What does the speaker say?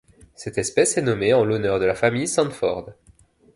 Cette espèce est nommée en l'honneur de la famille Sandford.